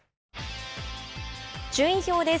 順位表です。